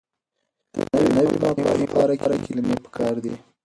د نويو مفاهيمو لپاره کلمې پکار دي.